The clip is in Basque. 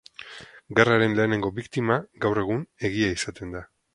Gerraren lehenengo biktima, gaur egun, Egia izaten da.